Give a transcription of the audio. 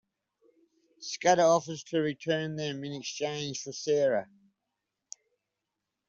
Scudder offers to return them in exchange for Sarah.